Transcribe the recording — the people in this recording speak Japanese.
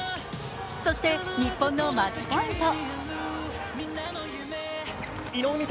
そして、日本のマッチポイント。